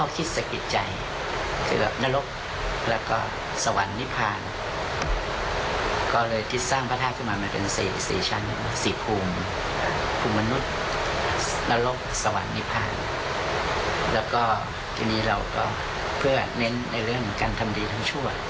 แล้วก็ทีนี้เราก็เพื่อเน้นในเรื่องของการทำดีทั้งชั่ว